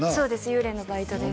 幽霊のバイトです